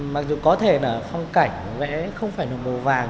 mặc dù có thể là phong cảnh vẽ không phải nộp màu vàng